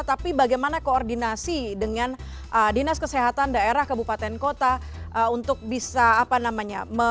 tapi bagaimana koordinasi dengan dinas kesehatan daerah kabupaten kota untuk bisa apa namanya